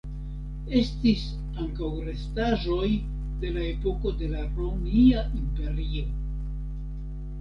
Estis ankaŭ restaĵoj de la epoko de la Romia Imperio.